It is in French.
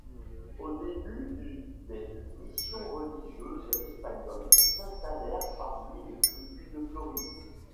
Au début du des missions religieuses espagnoles s'installèrent parmi les tribus de Floride.